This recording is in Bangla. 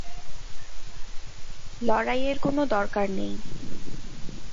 লড়াইয়ের কোন দরকার নেই।